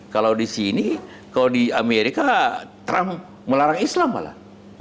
kalau di sini kalau di amerika trump melarang islam malah